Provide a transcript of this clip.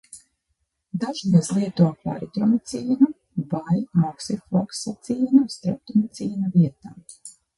Dažreiz lieto klaritromicīnu vai moksifloksacīnu streptomicīna vietā.